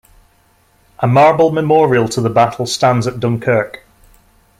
A marble memorial to the battle stands at Dunkirk.